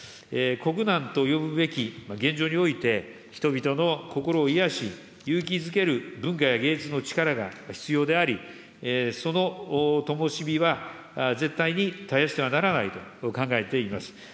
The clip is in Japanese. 国難と呼ぶべき現状において、人々の心を癒やし、勇気づける文化や芸術の力が必要であり、そのともし火は絶対に絶やしてはならないと考えています。